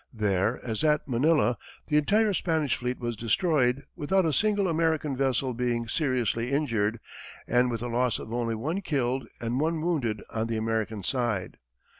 There, as at Manila, the entire Spanish fleet was destroyed, without a single American vessel being seriously injured, and with a loss of only one killed and one wounded on the American side.